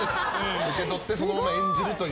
受け取ってそのまま演じるという。